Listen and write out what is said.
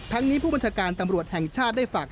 นี้ผู้บัญชาการตำรวจแห่งชาติได้ฝาก